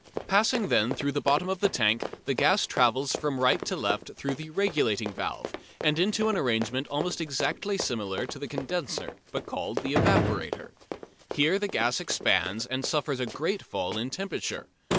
Passing then through the bottom of the tank the gas travels from right to left through the "regulating valve" and into an arrangement almost exactly similar to the condenser but called the evaporator. Here the gas expands and suffers a great fall in temperature.